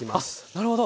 なるほど。